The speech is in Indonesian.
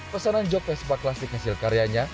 pesanan jog vespa klasik hasil karyanya